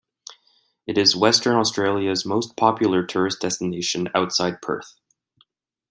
It is Western Australia's most popular tourist destination outside Perth.